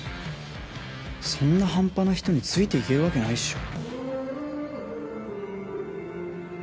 そんな半端な人についていけるわけないっしょ。